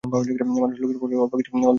মানুষের শোকসভা হলেও তো অল্প কিছু লোক থাকে।